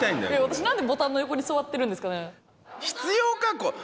私何でボタンの横に座ってるんですかね。